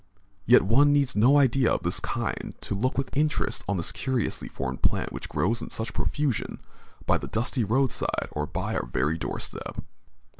Yet one needs no idea of this kind to look with interest on this curiously formed plant which grows in such profusion by the dusty roadside or by our very doorstep.